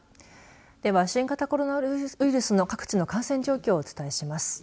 では、新型コロナウイルスの各地の感染状況をお伝えします。